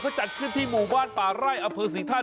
ก็จัดขึ้นที่หมู่บ้านป่าไร่อเผอร์ศรีทรรภ์